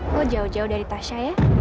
lo jauh jauh dari tasya ya